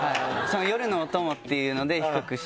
夜のお供っていうので企画してて。